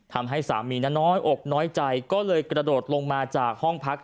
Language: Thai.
ทำให้สามีนั้นน้อยอกน้อยใจก็เลยกระโดดลงมาจากห้องพัก